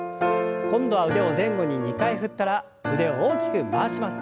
今度は腕を前後に２回振ったら腕を大きく回します。